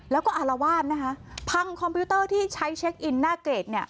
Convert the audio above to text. แล้วก็อารวาสนะคะพังคอมพิวเตอร์ที่ใช้เช็คอินหน้าเกรดเนี่ย